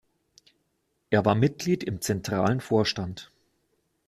Er war Mitglied im zentralen Vorstand.